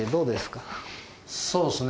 そうですね